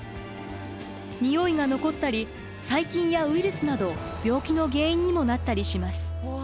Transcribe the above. においが残ったり細菌やウイルスなど病気の原因にもなったりします。